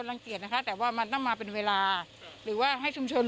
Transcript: เราจะเป็นแค่กรรมากราชาประทานทุ่มชน